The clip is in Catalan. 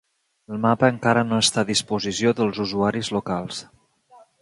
El mapa encara no està a disposició dels usuaris locals.